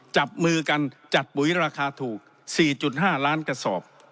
จับมือกันจัดปุ๋ยราคาถูก๔๕ล้านกระสอบ